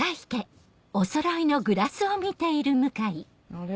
あれ？